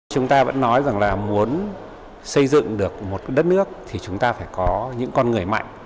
chúng ta vẫn nói rằng là muốn xây dựng được một đất nước thì chúng ta phải có những con người mạnh